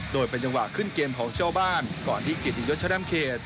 โดยเป็นจังหวะขึ้นเกมของเจ้าบ้านก่อนที่กิดอีกยกชะแดมเขช